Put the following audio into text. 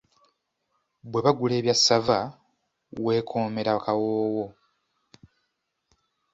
"Bwe bagula ebya ssava, weekoomera kawoowo."